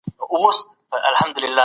قصاص د ټولني د نظم بنسټ دی.